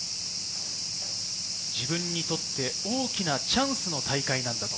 自分にとって大きなチャンスの大会なんだ。